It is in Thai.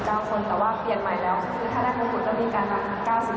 แต่ว่าเปลี่ยนใหม่แล้วคือถ้าได้โมงปุ่นก็มีการร้อง๙๙คน